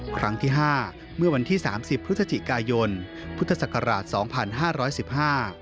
ครั้งที่ห้าเมื่อวันที่๓๐พุทธจิกายนพุทธศักราช๒๕๑๕